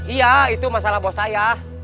iya itu masalah buat saya